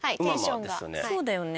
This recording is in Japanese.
そうだよね。